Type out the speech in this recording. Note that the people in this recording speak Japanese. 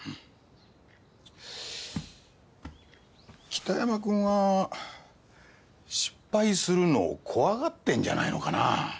北山君は失敗するのを怖がってんじゃないのかな。